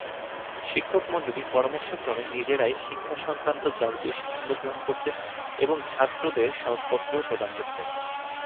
শিক্ষকমন্ডলী পরামর্শক্রমে নিজেরাই শিক্ষাসংক্রান্ত যাবতীয় সিদ্ধান্ত গ্রহণ করতেন এবং ছাত্রদের সনদপত্র প্রদান করতেন।